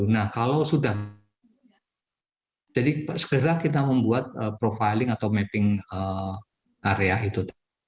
nah kalau sudah jadi segera kita membuat profiling atau mapping area itu